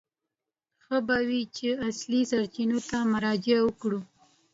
ښه به وي چې اصلي سرچینو ته مراجعه وکړو.